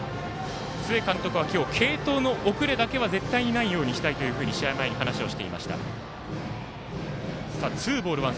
須江監督は今日継投の遅れだけは絶対にないようにしたいと試合前に話をしていました。